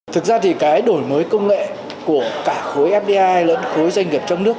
thực ra thì cái đổi mới công nghệ của cả khối fdi lẫn khối doanh nghiệp trong nước